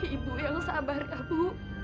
ibu yang sabar ya bu